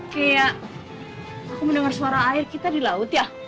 kayak aku mendengar suara air kita di laut ya